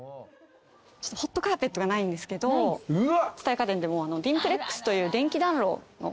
ホットカーペットがないんですけど蔦屋家電でもディンプレックスという電気暖炉の。